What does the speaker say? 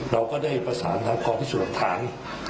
เราก็ได้ประสานทางความพิสูจน์ฐาน